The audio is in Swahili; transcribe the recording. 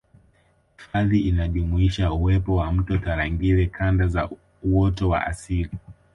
Hifadhi inajumuisha uwepo wa Mto Tarangire Kanda za Uoto wa asili